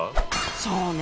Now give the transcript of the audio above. そうね。